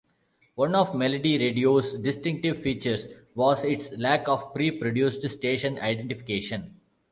One of Melody Radio's distinctive features was its lack of pre-produced station identification.